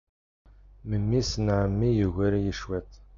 Memmi-s n ɛemmi yugar-iyi cwiṭ.